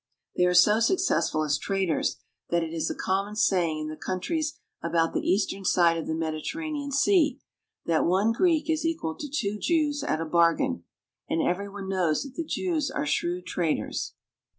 They are so successful as traders that it is a com IN MODERN GREECE. 39 1 mon saying in the countries about the eastern side of the Mediterranean Sea, that one Greek is equal to two Jews at a bargain, and every one knows that the Jews are shrewd traders.